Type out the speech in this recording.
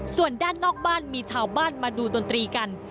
ส่วนด้านนอกบ้านมีชาวบ้านมาดูดนตรีกัน